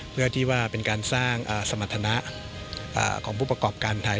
เพื่อที่ว่าเป็นการสร้างสมรรถนะของผู้ประกอบการไทย